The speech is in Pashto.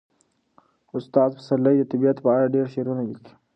استاد پسرلي د طبیعت په اړه ډېر شعرونه لیکلي.